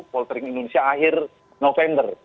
poltering indonesia akhir november